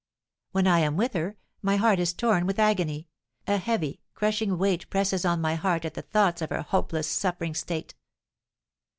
When I am with her, my heart is torn with agony, a heavy, crushing weight presses on my heart at the thoughts of her hopeless, suffering state.